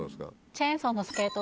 チェーンソーのスケート。